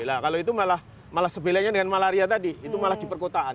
nah kalau itu malah sebelenya dengan malaria tadi itu malah di perkotaan